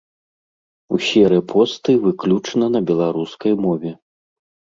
Усе рэпосты выключна на беларускай мове.